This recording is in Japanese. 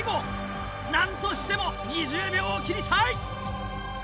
なんとしても２０秒を切りたい！